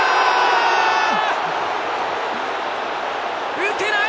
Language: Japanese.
打てない！